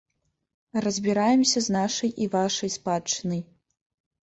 Разбіраемся з нашай і вашай спадчынай.